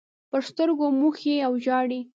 پر سترګو موښي او ژاړي.